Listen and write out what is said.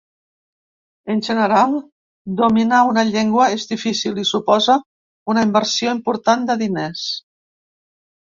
En general, dominar una llengua és difícil i suposa una inversió important de diners.